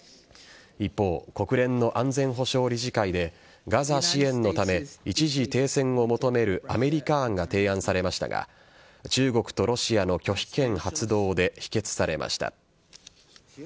一方、国連の安全保障理事会でガザ支援のため一時停戦を求めるアメリカ案が提案されましたが中国とロシアの拒否権発動で否決されました。